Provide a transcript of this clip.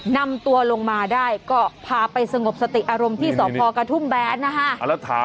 นำตัวลงมาได้ก็พาไปสงบสติอารมณ์ที่สพกระทุ่มแบนนะฮะ